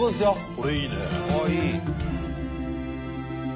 これいいね。